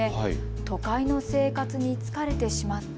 都会の生活に疲れてしまった